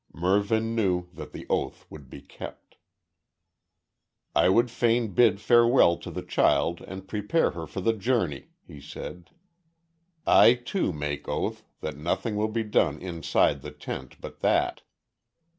Mervyn knew that the oath would be kept. "I would fain bid farewell to the child, and prepare her for the journey," he said. "I, too, make oath, that nothing will be done inside the tent but that."